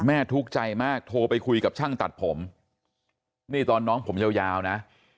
ทุกข์ใจมากโทรไปคุยกับช่างตัดผมนี่ตอนน้องผมยาวนะ